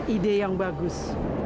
ide yang bagus